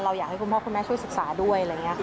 อยากให้คุณพ่อคุณแม่ช่วยศึกษาด้วยอะไรอย่างนี้ค่ะ